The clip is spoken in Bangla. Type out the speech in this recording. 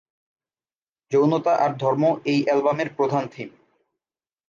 যৌনতা আর ধর্ম এই অ্যালবামের প্রধান থিম।